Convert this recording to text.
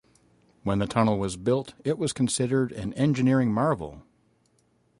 When the tunnel was built, it was considered an engineering marvel.